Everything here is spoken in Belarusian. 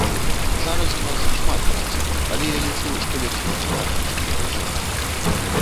Зараз у нас шмат працы, але я лічу, што лепш працаваць, чым не працаваць.